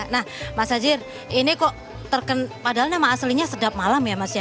nah mas azir ini kok terkena padahal nama aslinya sedap malam ya mas ya